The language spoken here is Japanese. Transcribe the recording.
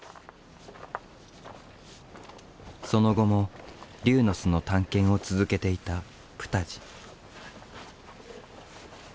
その後も龍の巣の探検を続けていたプタジ。